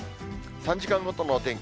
３時間ごとのお天気。